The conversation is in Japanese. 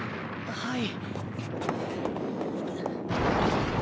はい。